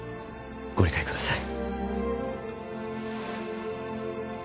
ご理解ください